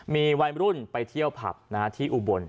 มีวัยรุ่นไปเที่ยวผับที่อุบล